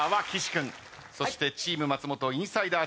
そしてチーム松本インサイダー